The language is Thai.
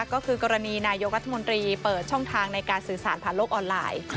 ก็คือกรณีนายกรัฐมนตรีเปิดช่องทางในการสื่อสารผ่านโลกออนไลน์